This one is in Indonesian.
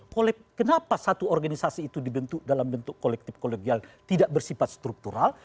kolektif kenapa satu organisasi itu dibentuk dalam bentuk kolektif kolegial tidak bersifat struktural